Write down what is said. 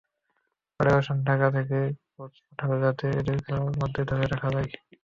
Federation Dhaka থেকে coach পাঠাবে, যাতে এদের খেলার মধ্যে ধরে রাখা যায়।